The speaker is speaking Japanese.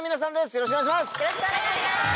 よろしくお願いします。